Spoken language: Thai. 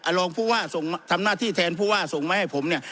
รองผู้ว่าส่งทำหน้าที่แทนผู้ว่าส่งมาให้ผมเนี่ย